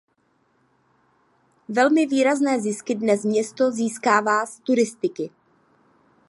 Velmi výrazné zisky dnes město získává z turistiky.